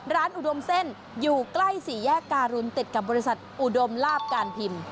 อุดมเส้นอยู่ใกล้สี่แยกการุนติดกับบริษัทอุดมลาบการพิมพ์